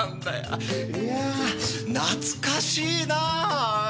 いやあ懐かしいなぁおい。